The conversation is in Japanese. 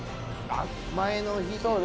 前の日ね。